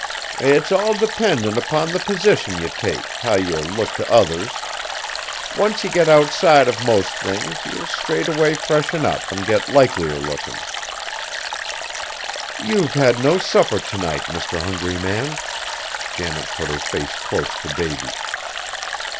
"It's all dependin' upon the position ye take, how ye look t' others. Once ye get outside of most things, ye straightway freshen up an' get likelier lookin'!" "You've had no supper to night, Mr. Hungry Man!" Janet put her face close to Davy's.